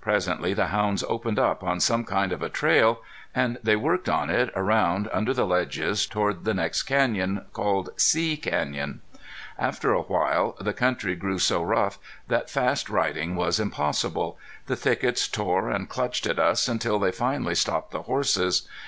Presently the hounds opened up on some kind of a trail and they worked on it around under the ledges toward the next canyon, called See Canyon. After a while the country grew so rough that fast riding was impossible; the thickets tore and clutched at us until they finally stopped the horses.